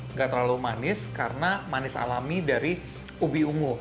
nggak terlalu manis karena manis alami dari ubi ungu